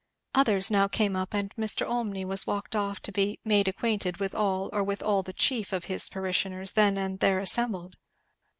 Others now came up; and Mr. Olmney was walked off to be "made acquainted" with all or with all the chief of his parishioners then and there assembled.